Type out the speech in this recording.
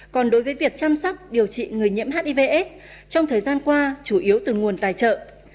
còn đối với việc chăm sóc điều trị người nhiễm hiv aids trong thời gian qua chủ yếu từ nguồn tài trợ